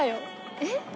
えっ？